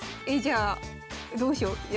えじゃあどうしよう。